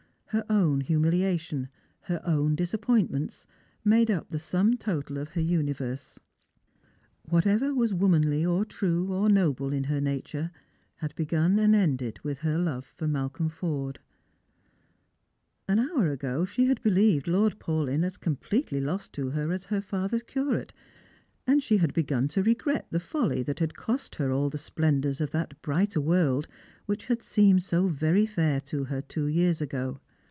Her own humiliation, hex own disapiDointments, made up the sum total of her universe. Whatever was womanly, or true, or noble in her nature had begun and ended with her love for Malcolm Forde. An hour ago and she had believed Lordfaulyn as completely lost to her as her father's curate, and she had begun to regrel the folly that had cost her all the splendours of that brighter Strangers and Pilgrimg. 255 world which had seemed so very fair to her two years ago.